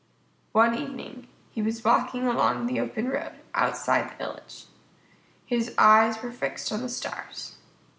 One evening he was walking along the open road outside the village. His eyes were fixed on the stars.